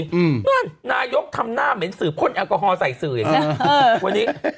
นั่นนายกทำหน้าเหม็นสืบพ่นแอลกอฮอลใส่สื่ออย่างนี้วันนี้